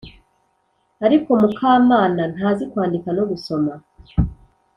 ariko mukamana ntazi kwandika no gusoma